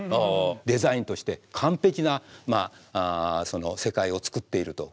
デザインとして完璧な世界を作っていると。